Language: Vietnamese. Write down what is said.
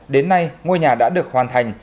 đến nay ngôi nhà đã được hoàn thành